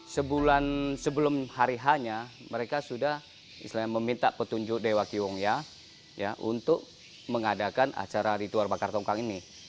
sebulan sebelum hari hanya mereka sudah meminta petunjuk dewa kiyongya untuk mengadakan acara ritual bakar tongkang ini